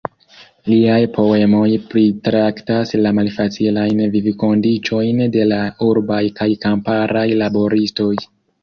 Liaj poemoj pritraktas la malfacilajn vivkondiĉojn de la urbaj kaj kamparaj laboristoj.